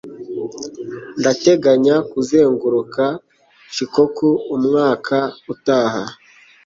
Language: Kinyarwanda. Ndateganya kuzenguruka Shikoku umwaka utaha.